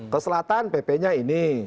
ke selatan ppnya ini